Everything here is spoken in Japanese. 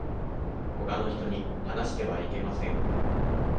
ほかの人に話してはいけません。